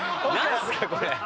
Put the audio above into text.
これ。